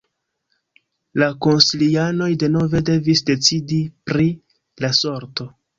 La konsilianoj denove devis decidi pri la sorto.